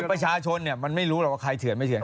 ประชาชนมันไม่รู้หรอกว่าใครเถื่อนไม่เถื